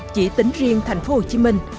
chỉ tính riêng thành phố hồ chí minh